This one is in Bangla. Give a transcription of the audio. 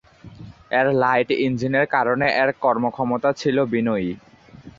এর লাইট ইঞ্জিনের কারণে এর কর্মক্ষমতা ছিল বিনয়ী।